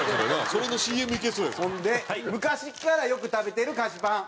そんで昔からよく食べてる菓子パン。